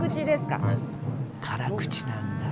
辛口なんだ？